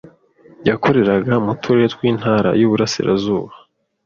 yakoreraga mu turere tw’intara y’uburasirazuba.